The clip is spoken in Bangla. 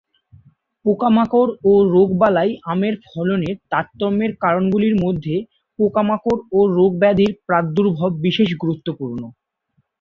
পোকামাকড় ও রোগবালাই আমের ফলনের তারতম্যের কারণগুলির মধ্যে পোকামাকড় ও রোগব্যাধির প্রাদুর্ভাব বিশেষ গুরুত্বপূর্ণ।